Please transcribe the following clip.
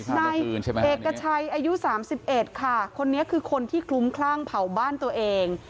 นายเอกชัยอายุ๓๑ค่ะคนนี้คือคนที่คลุ้มคลั่งเผาบ้านตัวเอง